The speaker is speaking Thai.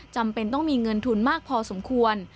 จำเป็นต้องมีเงินทุนมากพอสมควร